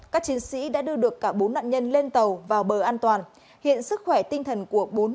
các chiến sĩ đã đưa được cả bốn nạn nhân lên tàu vào bờ an toàn hiện sức khỏe tinh thần của bốn nạn nhân đều ổn định